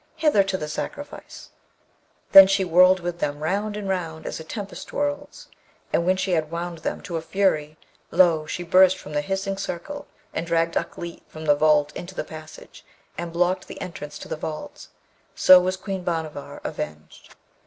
Hither to the sacrifice' Then she whirled with them round and round as a tempest whirls; and when she had wound them to a fury, lo, she burst from the hissing circle and dragged Ukleet from the vault into the passage, and blocked the entrance to the vault. So was Queen Bhanavar avenged.